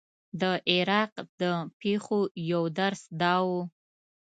د عراق د پېښو یو درس دا و.